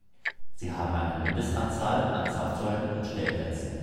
Sie haben eine Mindestanzahl an Zapfsäulen und Stellplätzen.